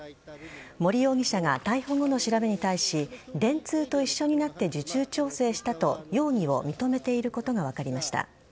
森容疑者は逮捕後の調べに対し電通と一緒になって受注調整したと容疑を認めていることが分かりました。